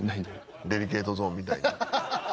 デリケートゾーンみたいに。